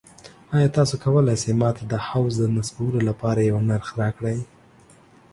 ایا تاسو کولی شئ ما ته د حوض د نصبولو لپاره یو نرخ راکړئ؟